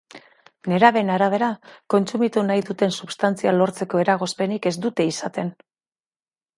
Nerabeen arabera, kontsumitu nahi duten substantzia lortzeko eragozpenik ez dute izaten.